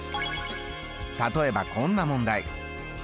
例えばこんな問題。